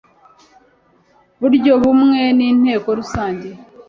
buryo bumwe n inteko rusange